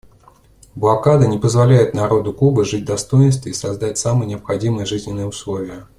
Блокада не позволяет народу Кубы жить в достоинстве и создать самые необходимые жизненные условия.